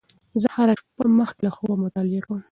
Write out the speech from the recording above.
زه هره شپه مخکې له خوبه مطالعه کوم.